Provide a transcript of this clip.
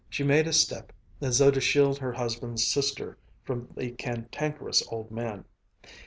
She made a step as though to shield her husband's sister from the cantankerous old man.